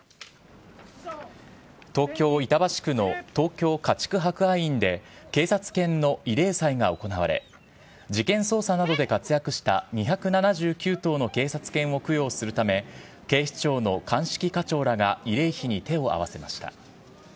東京・板橋区の東京家畜博愛院で、警察犬の慰霊祭が行われ、事件捜査などで活躍した２７９頭の警察犬を供養するため、警視庁の鑑識課長らが慰霊碑に手を合わせました。